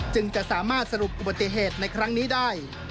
จึงจะสามารถสรุปอุบัติเหตุในครั้งนี้ได้